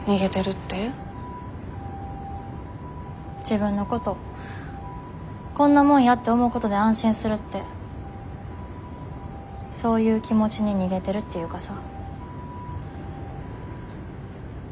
自分のことこんなもんやって思うことで安心するってそういう気持ちに逃げてるっていうかさ。